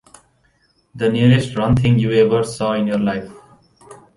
The nearest run thing you ever saw in your life.